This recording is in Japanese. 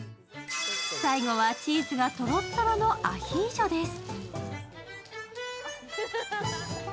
最後はチーズがとろっとろのアヒージョです。